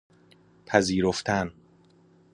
پذیرفتن